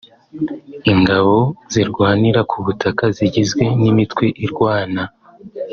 Ingabo zirwanira ku butaka zigizwe n’imitwe irwana